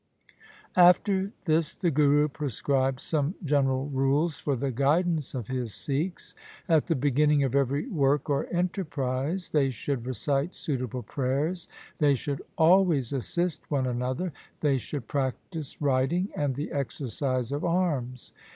After this the Guru prescribed some general rules THE SIKH RELIGION for the guidance of his Sikhs. At the beginning of every work or enterprise they should recite suitable prayers. They should always assist one another, they should practise riding and the exercise of arms.